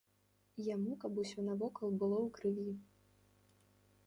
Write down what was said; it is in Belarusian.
Яму каб усё навокал было ў крыві.